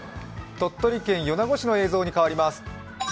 鳥取県米子市の映像に変わります。